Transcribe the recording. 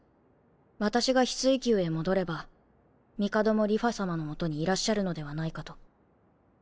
私が翡翠宮へ戻れば帝も梨花さまの元にいらっしゃるのではないかと。